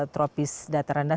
tropis datar rendah